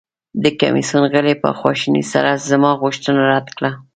د کمیسیون غړي په خواشینۍ سره زما غوښتنه رد کړه.